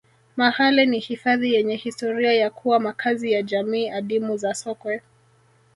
mahale ni hifadhi yenye historia ya kuwa makazi ya jamii adimu za sokwe